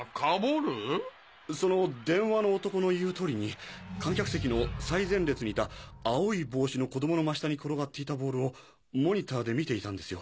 その電話の男の言う通りに観客席の最前列にいた青い帽子の子供の真下に転がっていたボールをモニターで観ていたんですよ。